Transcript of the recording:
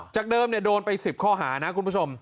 จากเดิมโดนไป๑๐ข้อหานะคุณผู้ชม